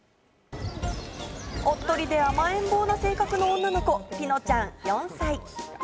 おっとりで甘えん坊な性格の女の子、ピノちゃん・４歳。